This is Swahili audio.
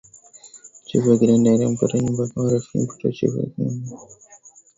Chifu wa Kilindi akampatia nyumba akawa rafiki wa mtoto wa chifu Siku moja walipoenda